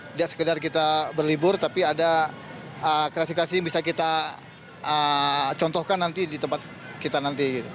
tidak sekedar kita berlibur tapi ada kreasi klasik yang bisa kita contohkan nanti di tempat kita nanti